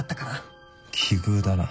奇遇だな。